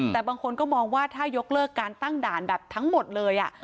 แต่บางคนก็มองว่าถ้ายกเลิกการตั้งด่านแบบทั้งหมดเลย